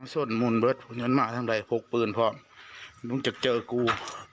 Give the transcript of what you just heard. ส่วนมุนเบิร์ดเงินมาทั้งใดพกปืนพร้อมต้องจักเจอกู